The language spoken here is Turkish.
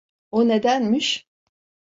O nedenmiş?